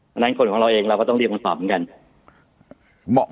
เพราะฉะนั้นคนของเราเองเราก็ต้องเรียกมาสอบเหมือนกัน